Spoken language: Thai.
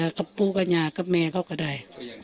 ยากับปุ๊กกับแหงกับแม่เขาก็ได้